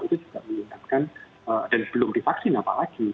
itu juga meningkatkan dan belum divaksin apalagi